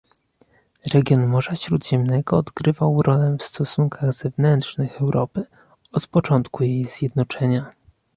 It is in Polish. Region Morza Śródziemnego odgrywał rolę w stosunkach zewnętrznych Europy od początku jej zjednoczenia